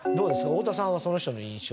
太田さんはその人の印象は。